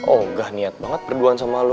oh gah niat banget berduaan sama lo